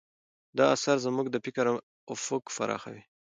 دا اثر زموږ د فکر افق پراخوي.